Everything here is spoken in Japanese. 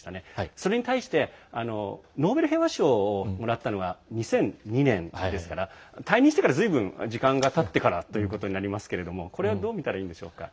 それに対してノーベル平和賞をもらったのが２００２年ですから退任してから、ずいぶん時間がたってからということですがこれはどう見たらいいでしょうか。